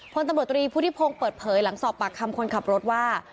พลตำรวจตรีพุทธิพงศ์เปิดเผยหลังสอบปากคำคนขับรถว่า